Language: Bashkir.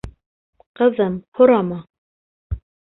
Ҡыҙым, һорама.